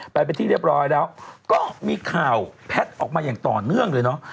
ไปเป็นที่เรียบร้อยแล้วก็มีข่าวแพทย์ออกมาอย่างต่อเนื่องเลยเนอะ